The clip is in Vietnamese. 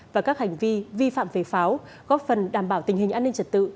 và các hành vi vi phạm về pháo góp phần đảm bảo tình hình an ninh trật tự